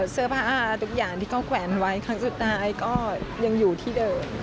เสื้อผ้าทุกอย่างที่เขาแขวนไว้ครั้งสุดท้ายก็ยังอยู่ที่เดิม